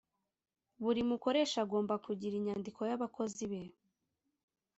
Buri mukoresha agomba kugira inyandiko y’abakozi be